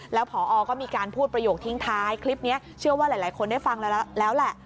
แล้วพอก็มีการพูดประโยคทิ้งท้ายคลิปนี้เชื่อว่าหลายคนได้ฟังแล้วแหละ